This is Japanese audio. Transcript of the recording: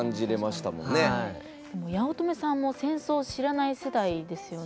でも八乙女さんも戦争を知らない世代ですよね。